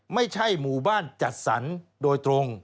ไม่ใช่หมู่บ้านจัดสรรโดยตรง